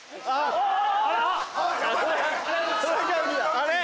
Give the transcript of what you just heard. あれ？